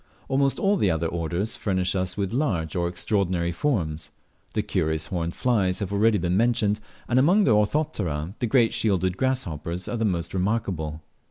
Almost all the other orders furnish us with large or extraordinary forms. The curious horned flies have already been mentioned; and among the Orthoptera the great shielded grasshoppers are the most remarkable.